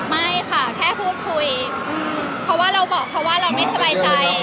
ไม่ค่ะแค่พูดคุยเพราะว่าเราบอกเขาว่าเราไม่สบายใจ